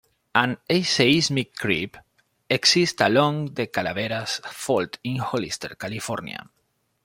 An aseismic creep exists along the Calaveras fault in Hollister, California.